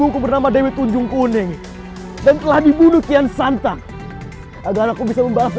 kau katimu akan mengalahkan aku